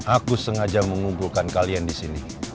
aku sengaja mengumpulkan kalian di sini